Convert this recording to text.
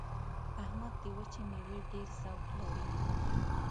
احمد د وچې مېوې ډېر ذوق لري.